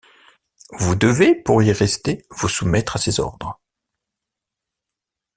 Vous devez, pour y rester, vous soumettre à ses ordres.